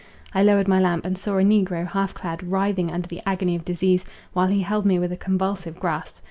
I lowered my lamp, and saw a negro half clad, writhing under the agony of disease, while he held me with a convulsive grasp.